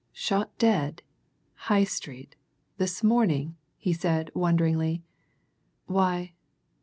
"Shot dead High Street this morning?" he said wonderingly. "Why!